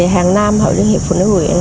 hàng nam hội liên hiệp phụ nữ quyền